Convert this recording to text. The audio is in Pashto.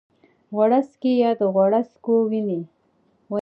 غوړاڅکی یا د غوړاڅکو ونې